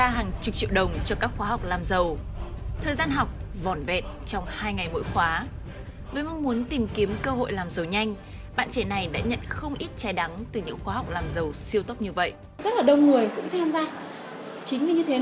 hãy đăng ký kênh để ủng hộ kênh của chúng mình nhé